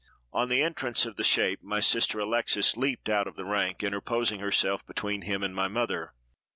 On the entrance of the shape, my sister Alexes leaped out of the rank, interposing herself between him and my mother.